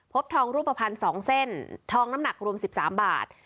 ทองรูปภัณฑ์๒เส้นทองน้ำหนักรวม๑๓บาท